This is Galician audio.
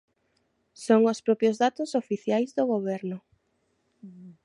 Son os propios datos oficiais do Goberno.